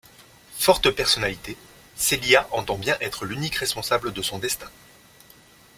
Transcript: Forte personnalité, Celia entend bien être l'unique responsable de son destin.